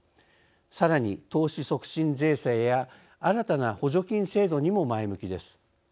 さらに投資促進税制や新たな補助金制度にも前向きです。